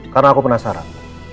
karena aku penasaran